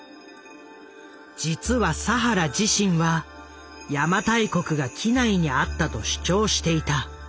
実は佐原自身は邪馬台国が畿内にあったと主張していた。